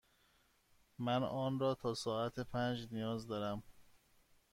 من آن را تا ساعت پنج نیاز دارم.